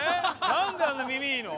なんであんな耳いいの？